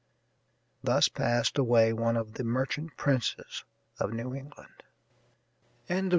Thus passed away one of the merchant princes of New England. ALEXANDER H.